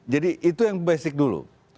jadi itu yang basic dulu